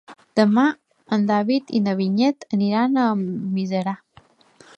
Demà en David i na Vinyet aniran a Almiserà.